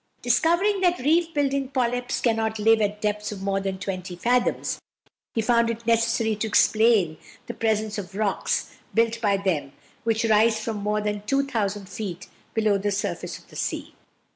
Discovering that reef building polyps cannot live at depths of more than twenty fathoms, he found it necessary to explain the presence of rocks built by them which rise from more than 2000 feet below the surface of the sea.